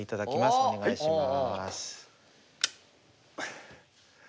お願いします。